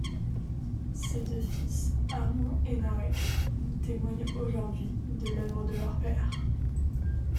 Ses deux fils Arman et Narek témoignent aujourd'hui de l'œuvre de leur père.